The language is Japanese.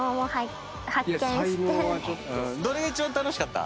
どれが一番楽しかった？